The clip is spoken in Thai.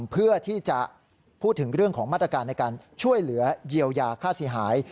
เพื่อที่จะพูดถึงเรื่องของมาตรการในการช่วยเหลือเยียวยาค่าเสียหาย